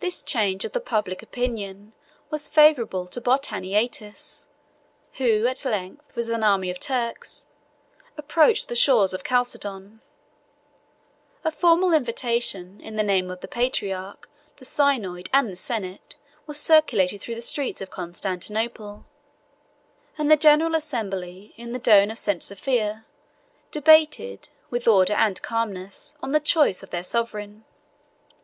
This change of the public opinion was favorable to Botaniates, who at length, with an army of Turks, approached the shores of Chalcedon. A formal invitation, in the name of the patriarch, the synod, and the senate, was circulated through the streets of Constantinople; and the general assembly, in the dome of St. Sophia, debated, with order and calmness, on the choice of their sovereign.